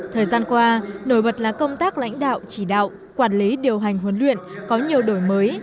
thời gian qua nổi bật là công tác lãnh đạo chỉ đạo quản lý điều hành huấn luyện có nhiều đổi mới